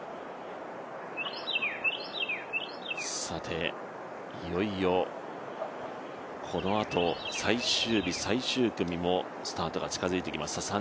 さて、いよいよこのあと最終日最終組もスタートが近づいてきました。